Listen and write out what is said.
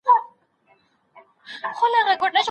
موږ تېره اونۍ ډګر څېړنه پیل کړه.